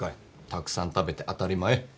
たくさん食べて当たり前。